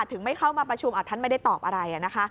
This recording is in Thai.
ถึงไม่เข้ามาประชุมท่านไม่ได้ตอบอะไร